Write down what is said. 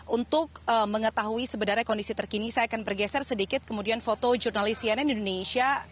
untuk mengetahui sebenarnya kondisi terkini saya akan bergeser sedikit kemudian foto jurnalis cnn indonesia